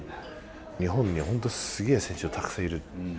日本に本当にすげえ選手がたくさんいる。